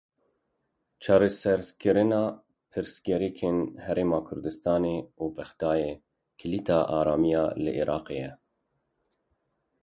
Çareserkirina pirsgirêkên Herêma Kurdistanê û Bexdayê kilîta aramiya li Iraqê ye.